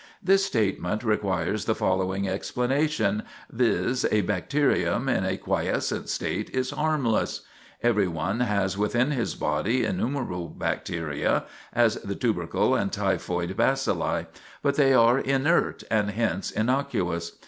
This statement requires the following explanation, viz., a bacterium in a quiescent state is harmless; everyone has within his body innumerable bacteria, as the tubercle and typhoid bacilli; but they are inert, and hence innocuous.